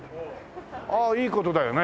ああいい事だよね。